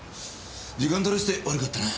時間とらせて悪かったな。